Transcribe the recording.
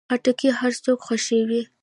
خټکی هر څوک خوښوي.